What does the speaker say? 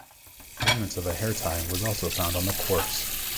Remnants of a hair tie was also found on the corpse.